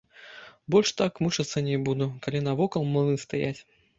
Больш так мучыцца не буду, калі навокал млыны стаяць.